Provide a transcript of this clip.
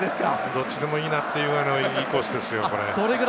どっちでもいいなっていうぐらいいいコースですね。